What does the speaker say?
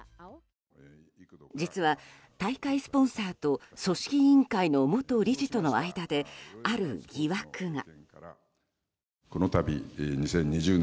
実は大会スポンサーと組織委員会の元理事との間である疑惑が。